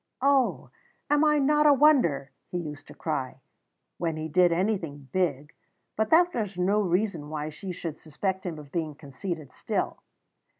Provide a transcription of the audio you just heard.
"Oh, am I not a wonder!" he used to cry, when he did anything big; but that was no reason why she should suspect him of being conceited still.